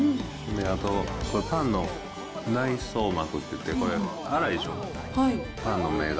あと、パンの内層膜っていって、これ、粗いでしょ、パンの目が。